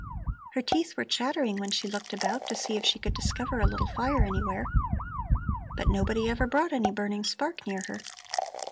Her teeth were chattering while she looked about to see if she could discover a little fire anywhere. But nobody ever brought any burning spark near her.